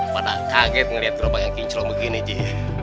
pada kaget ngeliat gerobak yang kinclong begini ji